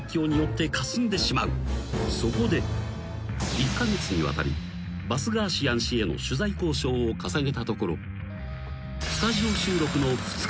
［１カ月にわたりバスガーシアン氏への取材交渉を重ねたところ］